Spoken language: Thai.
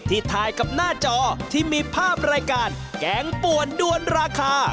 ถ่ายกับหน้าจอที่มีภาพรายการแกงป่วนด้วนราคา